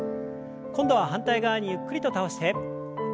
今度は反対側にゆっくりと倒して。